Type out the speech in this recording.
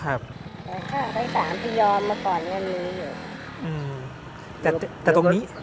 อ้าวโดยห้าครับสามต่อมาก่อนอย่างนี้อยู่อืมแต่ตอนนี้